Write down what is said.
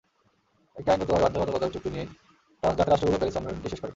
একটি আইনগতভাবে বাধ্যবাধকতা চুক্তি নিয়েই যাতে রাষ্ট্রগুলো প্যারিস সম্মেলনটি শেষ করে।